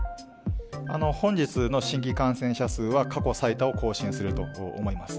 本日の新規感染者数は過去最多を更新すると思います。